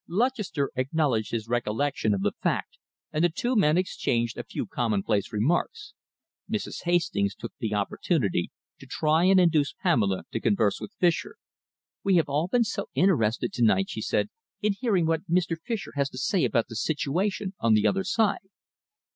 Lutchester acknowledged his recollection of the fact and the two men exchanged a few commonplace remarks. Mrs. Hastings took the opportunity to try and induce Pamela to converse with Fischer. "We have all been so interested to night," she said, "in hearing what Mr. Fischer has to say about the situation on the other side."